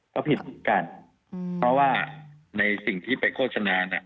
ก็ผิดกันเพราะว่าในสิ่งที่ไปโฆษณาเนี่ย